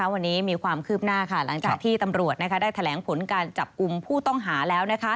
วันนี้มีความคืบหน้าหลังจากที่ตำรวจได้แถลงผลการจับกลุ่มผู้ต้องหาแล้ว